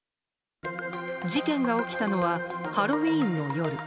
事件が起きたのはハロウィーンの夜。